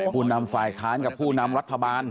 ผู้นำฝ่ายค้านกับผู้นำรัฐบาล